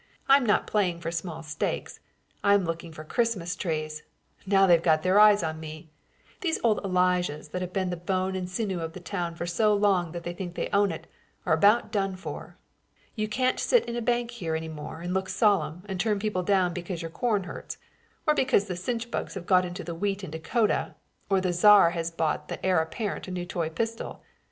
I'm not playing for small stakes. I'm looking for Christmas trees. Now they've got their eyes on me. These old Elijahs that have been the bone and sinew of the town for so long that they think they own it, are about done for. You can't sit in a bank here any more and look solemn and turn people down because your corn hurts or because the chinch bugs have got into the wheat in Dakota or the czar has bought the heir apparent a new toy pistol.